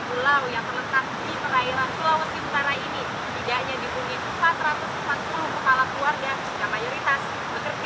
pulau yang terletak di perairan sulawesi utara ini tidak hanya dihubungi empat ratus empat puluh kepala keluarga